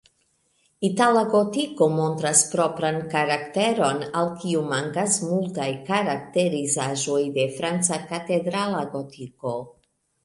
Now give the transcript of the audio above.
Itala gotiko montras propran karakteron, al kiu mankas multaj karakterizaĵoj de franca katedrala gotiko.